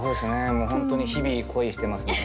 もう本当に日々恋してますね。